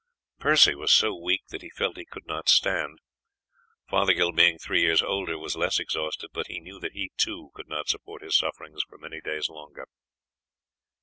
Percy was so weak that he felt he could not stand. Fothergill, being three years older, was less exhausted, but he knew that he, too, could not support his sufferings for many days longer.